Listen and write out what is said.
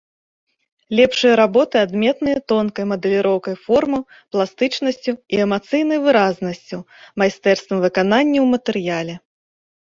Лепшыя работы адметныя тонкай мадэліроўкай формаў, пластычнасцю і эмацыйнай выразнасцю, майстэрствам выканання ў матэрыяле.